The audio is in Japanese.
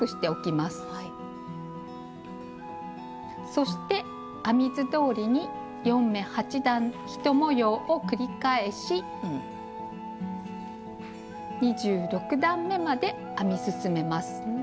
そして編み図どおりに４目８段１模様を繰り返し２６段めまで編み進めます。